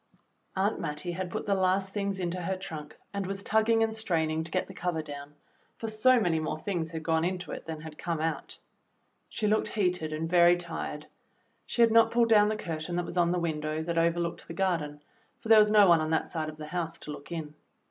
Aunt Mattie had put the last things into her trunk and was tugging and straining to get the cover down, for so many more things had gone into it than had come out. She looked heated and very tired. She had not pulled down the curtain that was on the win dow that overlooked the garden, for there was no one on that side of the house to look in.